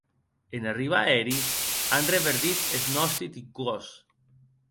En arribar eri, an reverdit es nòsti ticòs!